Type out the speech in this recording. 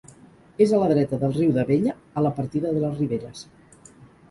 És a la dreta del riu d'Abella, a la partida de les Riberes.